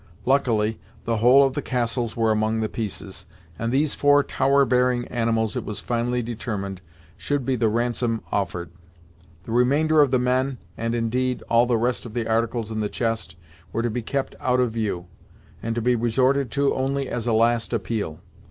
Luckily the whole of the castles were among the pieces, and these four tower bearing animals it was finally determined should be the ransom offered. The remainder of the men, and, indeed, all the rest of the articles in the chest, were to be kept out of view, and to be resorted to only as a last appeal.